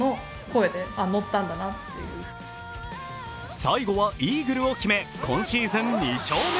最後はイーグルを決め、今シーズン２勝目。